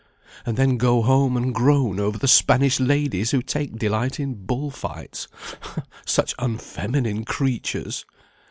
"And then go home and groan over the Spanish ladies who take delight in bull fights 'such unfeminine creatures!'"